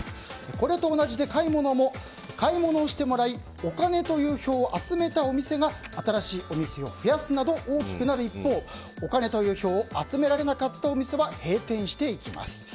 これと同じで買い物も買い物をしてもらいお金という票を集めたお店が新しいお店を増やすなど大きくなる一方お金という票を集められなかったお店は閉店していきます。